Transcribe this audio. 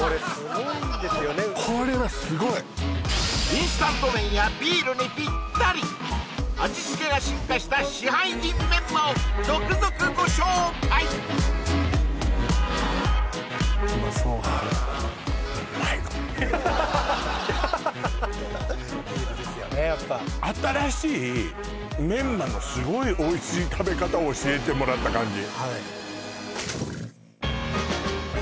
インスタント麺やビールにぴったり味付けが進化した市販品メンマを続々ご紹介うまそうビールですよねやっぱすごいおいしい食べ方を教えてもらった感じ